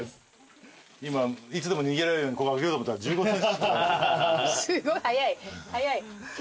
今いつでも逃げられるように開けようと思ったら１５ｃｍしか。